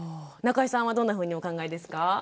中井さんはどんなふうにお考えですか？